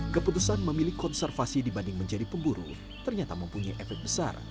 keputusan memilih konservasi dibanding menjadi pemburu ternyata mempunyai efek besar